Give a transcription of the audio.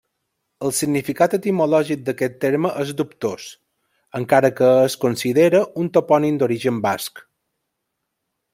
El significat etimològic d'aquest terme és dubtós, encara que es considera un topònim d'origen basc.